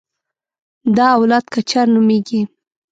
دا اولاد کچر نومېږي.